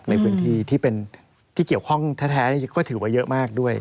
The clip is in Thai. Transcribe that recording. ในพื้นที่ที่เป็นที่เกี่ยวข้องแท้ก็ถือว่าเยอะมากด้วย